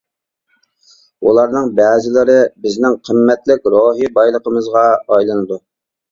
ئۇلارنىڭ بەزىلىرى بىزنىڭ قىممەتلىك روھى بايلىقىمىزغا ئايلىنىدۇ.